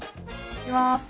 いきます。